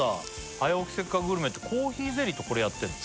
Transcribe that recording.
「早起きせっかくグルメ！！」ってコーヒーゼリーとこれやってんの？